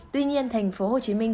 tuy nhiên thành phố hồ chí minh